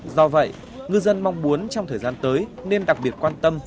do vậy ngư dân mong muốn trong thời gian tới nên đặc biệt quan tâm